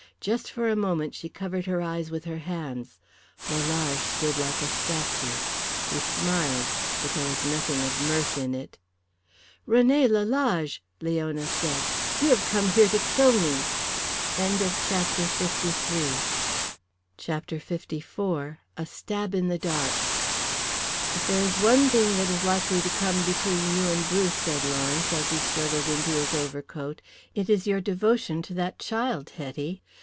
Just for a moment she covered her eyes with her hands. Lalage stood like a statue. He smiled, but there was nothing of mirth in it. "René Lalage!" Leona said. "You have come here to kill me!" CHAPTER LIV. A STAB IN THE DARK. "If there is one thing that is likely to come between you and Bruce," said Lawrence, as he struggled into his overcoat, "it is your devotion to that child, Hetty.